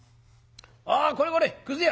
「あこれこれくず屋！